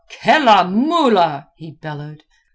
"Kellamullah!" he bellowed.